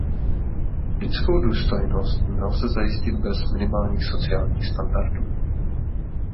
Lidskou důstojnost nelze zajistit bez minimálních sociálních standardů.